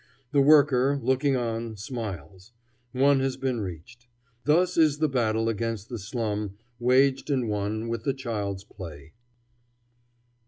The worker, looking on, smiles; one has been reached. Thus is the battle against the slum waged and won with the child's play.